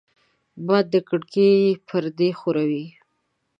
باد د کړکۍ پردې ښوروي